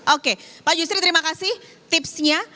oke pak yusri terima kasih tipsnya